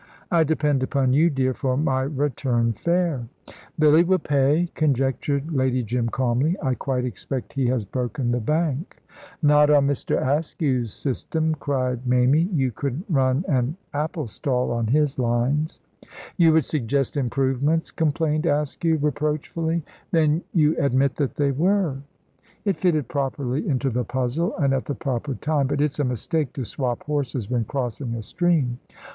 "I depend upon you, dear, for my return fare." "Billy will pay," conjectured Lady Jim, calmly: "I quite expect he has broken the bank." "Not on Mr. Askew's system," cried Mamie; "you couldn't run an apple stall on his lines." "You would suggest improvements," complained Askew, reproachfully. "Then you admit that they were." "If fitted properly into the puzzle, and at the proper time. But it's a mistake to swap horses when crossing a stream."